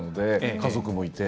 家族もいて。